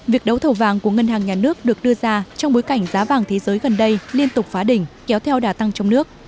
việc đấu thầu vàng của ngân hàng nhà nước được đưa ra trong bối cảnh giá vàng thế giới gần đây liên tục phá đỉnh kéo theo đà tăng trong nước